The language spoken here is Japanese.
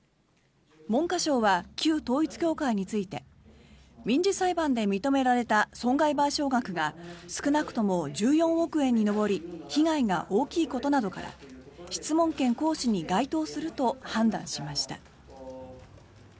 文科省は旧統一教会について民事裁判で認められた損害賠償額が少なくとも１４億円に上り被害が大きいことなどから質問権行使に該当すると判断しました。